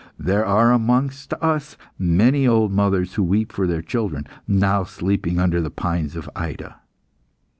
There are amongst us many old mothers who weep for their children, now sleeping under the pines of Ida."